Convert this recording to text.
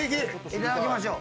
いただきましょう。